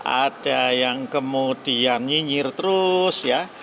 ada yang kemudian nyinyir terus ya